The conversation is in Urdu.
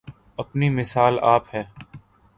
اپنی مثال آپ ہے